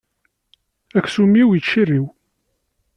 Aksum-iw yettciriw.